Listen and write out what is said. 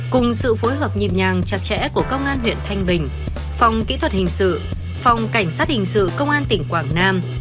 cùng sự phối hợp nhịp nhàng chặt chẽ của công an huyện thanh bình phòng kỹ thuật hình sự phòng cảnh sát hình sự công an tỉnh quảng nam